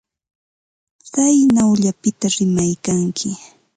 Tsaynawllapita rimaykanki.